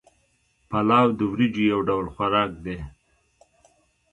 پلاو د وریجو یو ډول خوراک دی